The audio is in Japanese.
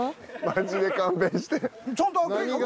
マジで勘弁して。